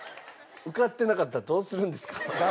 受かってなかったらどうするんですか？